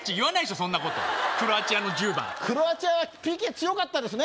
そんなことクロアチアの１０番クロアチアはＰＫ強かったですね